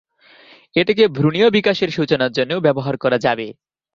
এটিকে ভ্রূণীয় বিকাশ এর সূচনার জন্যেও ব্যবহার করা যাবে।